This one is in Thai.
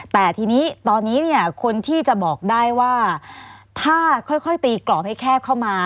แต่ทีนี้ตอนนี้เนี่ยคนที่จะบอกได้ว่าถ้าค่อยตีกรอบให้แคบเข้ามา